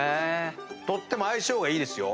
とっても相性がいいですよ。